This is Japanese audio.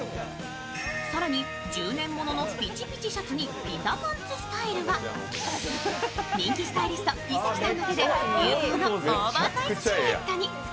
更に、１０年物のピチピチシャツにピタパンツスタイルが、人気スタイリスト・井関さんの手で流行のオーバーサイズシルエットに。